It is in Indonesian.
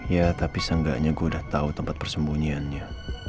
ya tapi seenggaknya gue udah tahu tempat persembunyiannya